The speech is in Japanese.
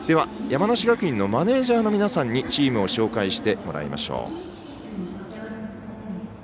山梨学院のマネージャーの皆さんにチームを紹介してもらいましょう。